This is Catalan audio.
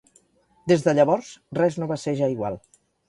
Des de llavors, res no va ser ja igual.